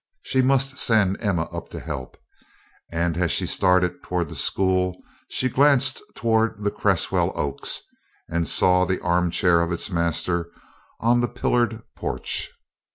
She must send Emma up to help, and as she started toward the school she glanced toward the Cresswell Oaks and saw the arm chair of its master on the pillared porch.